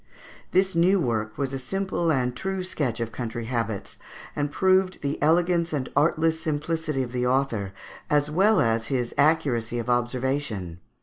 This new work was a simple and true sketch of country habits, and proved the elegance and artless simplicity of the author, as well as his accuracy of observation.